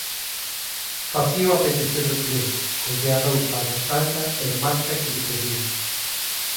Facíao a petición do cliente: collía roupa da talla e marca que lle pedían.